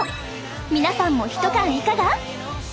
皆さんも一缶いかが？